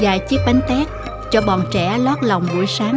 vài chiếc bánh tét cho bọn trẻ lót lòng buổi sáng